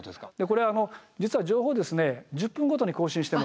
これあの実は情報ですね１０分ごとに更新してます。